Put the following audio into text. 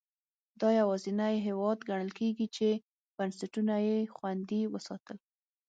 دا یوازینی هېواد ګڼل کېږي چې بنسټونه یې خوندي وساتل.